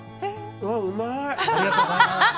うまい！